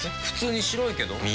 普通に白いけど。